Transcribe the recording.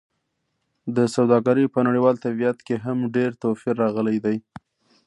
د سوداګرۍ په نړیوال طبیعت کې هم ډېر توپیر راغلی دی.